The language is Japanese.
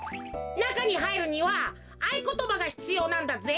なかにはいるにはあいことばがひつようなんだぜ。